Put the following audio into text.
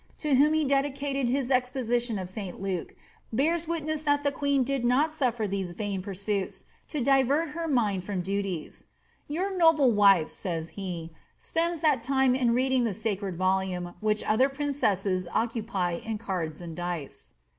•o whom he dedicated his Exposition of St Luke, bears witness that the queeo did not sufler these vain pursuits to divert her mind from duties :^ Yoar noble wife,"* says he, ^ spends that time ip reading the ncred volume which other princesses occupy in cards and dice."